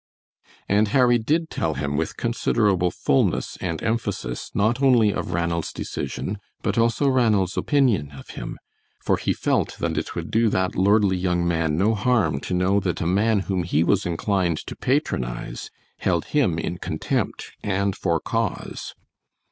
And Harry did tell him with considerable fullness and emphasis not only of Ranald's decision, but also Ranald's opinion of him, for he felt that it would do that lordly young man no harm to know that a man whom he was inclined to patronize held him in contempt and for cause.